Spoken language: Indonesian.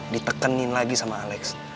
ditekenin lagi sama alex